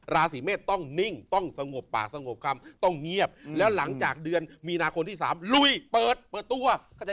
ราศีเมษต้องนิ่งต้องสงบป่าสงบกรรมต้องเงียบแล้วหลังจากเดือนมีนาคมที่๓ลุยเปิดเปิดตัว